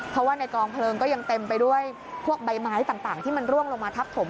เพราะว่าในกองเพลิงก็ยังเต็มไปด้วยพวกใบไม้ต่างที่มันร่วงลงมาทับถม